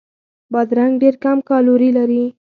بادرنګ ډېر کم کالوري لري.